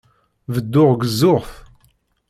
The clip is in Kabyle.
Bedduɣ gezzuɣ-t.